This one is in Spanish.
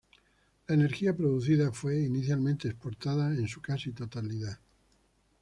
La energía producida fue, inicialmente, exportada en su casi totalidad.